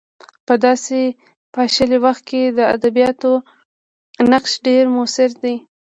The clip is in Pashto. په داسې پاشلي وخت کې د ادبیاتو نقش ډېر موثر دی.